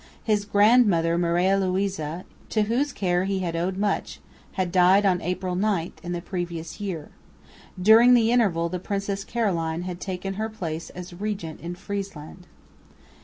His grandmother, Maria Louisa, to whose care he had owed much, had died on April 9, in the previous year. During the interval the Princess Caroline had taken her place as regent in Friesland.